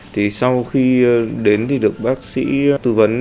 thì sau khi đến thì được bác sĩ tư vấn